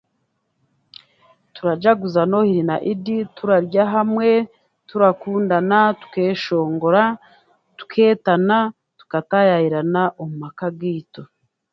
Turajaguza idi na nohiri turarya hamwe turakundana tukeeshongara tukeetana tukatayayirana omu maka gaitu